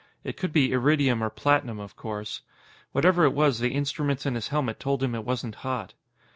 It could be iridium or platinum, of course. Whatever it was, the instruments in his helmet told him it wasn't hot.